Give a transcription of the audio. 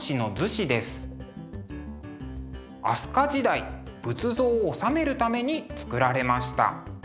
飛鳥時代仏像を収めるために作られました。